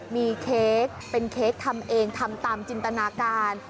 มีเค้กเป็นเค้กทำเองทำตามจินตนาการ